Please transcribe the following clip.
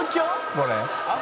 これ」